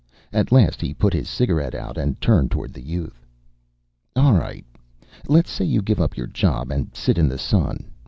At last he put his cigarette out and turned toward the youth. "All right, let's say you give up your job and sit in the sun.